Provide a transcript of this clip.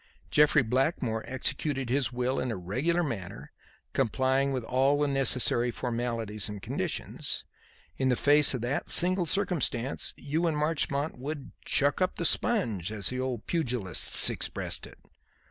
Jeffrey Blackmore executed his will in a regular manner, complying with all the necessary formalities and conditions. In the face of that single circumstance you and Marchmont would 'chuck up the sponge,' as the old pugilists expressed it.